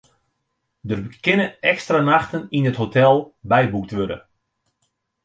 Der kinne ekstra nachten yn it hotel byboekt wurde.